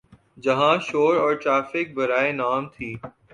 جہاں شور اور ٹریفک برائے نام تھی۔